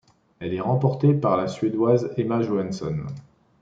Elle est remportée par la Suédoise Emma Johansson.